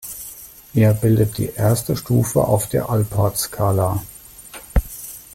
Er bildet die erste Stufe auf der Allport-Skala.